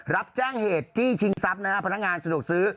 รับแจ้งเหตุจี้ชิงทรัพย์นะฮะพนักงานสะดวกซื้อ